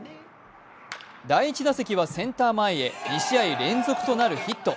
第１打席はセンター前へ２試合連続となるヒット。